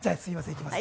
いきますね。